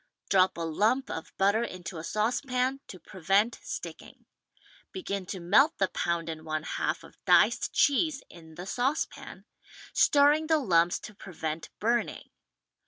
Drop a lump of butter into a saucepan to prevent "sticking." Begin to melt the pound and one half of diced cheese in the saucepan, stirring the lumps to prevent burning.